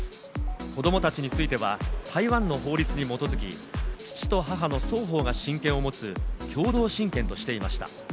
子どもたちについては、台湾の法律に基づき、父と母の双方が親権を持つ共同親権としていました。